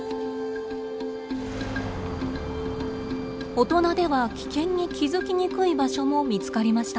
大人では危険に気づきにくい場所も見つかりました。